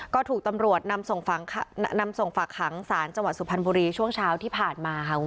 ก็ถูกตำรวจนำส่งฝากหางศาลจังหวัดสุพรรณบุรีช่วงเช้าที่ผ่านมาค่ะ